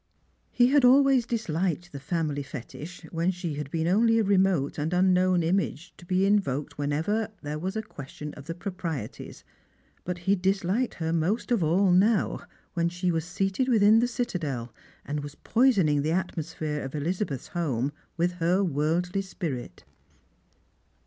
He had always disHked the family fetish, when she had been only a remote and unknown image to bo invoked ever when there was question of the proprieties. But he disliked her most of all now, when she was seated within tlie citadel, and was poisoning the atmosphere of EUzabeth's home with her worldly spirit.